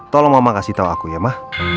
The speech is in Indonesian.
tolong mama kasih tau aku ya ma